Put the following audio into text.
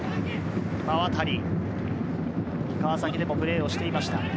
馬渡、川崎でもプレーをしていました。